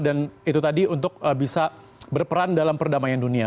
dan itu tadi untuk bisa berperan dalam perdamaian dunia